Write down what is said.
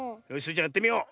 ちゃんやってみよう！